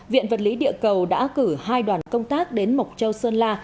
viện vật lý địa cầu đã cử hai đoàn công tác đến mộc châu sơn la